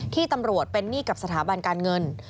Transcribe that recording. ที่ตำรวจเป็นหนี้กับสถาบันการเงิน